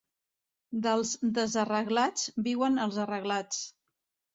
Dels desarreglats viuen els arreglats.